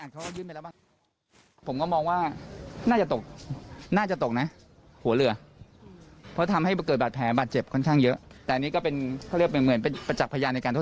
แต่คนทดสอบท้ายเรือได้แต่ทดสอบหัวเรือไม่ได้